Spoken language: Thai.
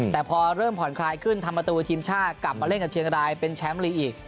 แต่พอเริ่มผ่อนคลายขึ้นทำประตูทีมชาติกลับมาเล่นกับเชียงรายเป็นแชมป์ลีกอีก